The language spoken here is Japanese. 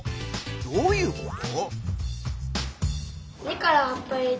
どういうこと？